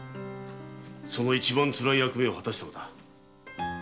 その一番つらい役目を果たしたのだ。